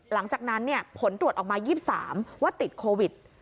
หลังจากนั้นผลตรวจออกมา๒๓ว่าติดโควิด